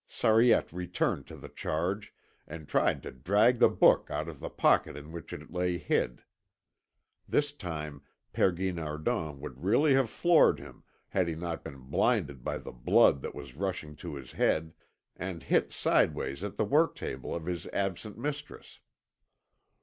Sariette returned to the charge, and tried to drag the book out of the pocket in which it lay hid. This time Père Guinardon would really have floored him had he not been blinded by the blood that was rushing to his head, and hit sideways at the work table of his absent mistress.